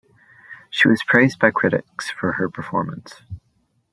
She was praised by critics for her performance.